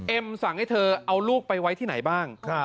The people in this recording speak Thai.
สั่งให้เธอเอาลูกไปไว้ที่ไหนบ้าง